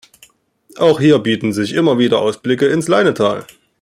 Auch hier bieten sich immer wieder Ausblicke ins Leinetal.